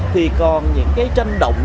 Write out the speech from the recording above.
thì còn những tranh động